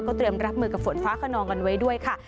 เตรียมรับมือกับฝนฟ้าขนองกันไว้ด้วยค่ะ